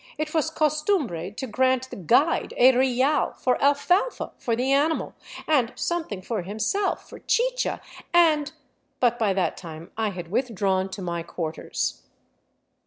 It was costumbre to grant the " guide " a real for alfalfa for the animal, and something for himself for chicha, and ... but by that time I had withdrawn to my quar ters.